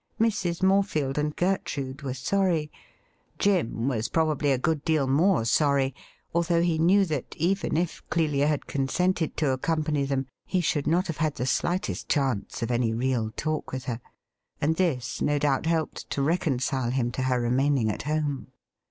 Mrs. Morefield and Gertrude were sorry. Jim was probably a good deal more sorry, although he knew that, even if Clelia had consented to accompany them, he should not have had the slightest chance of any real talk with her, and this no doubt helped to reconcile him to her remaining at honie.